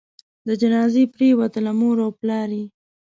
د جنازې پروتله؛ مور او پلار یې